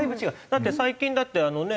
だって最近だってあのね